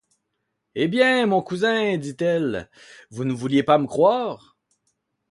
Eh ! bien, mon cousin, dit-elle, vous ne vouliez pas me croire !